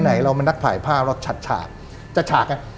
ไหนเราเป็นนักผ่ายผ้าเราจัดฉากจัดฉากไง